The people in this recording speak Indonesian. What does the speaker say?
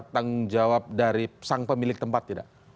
tanggung jawab dari sang pemilik tempat tidak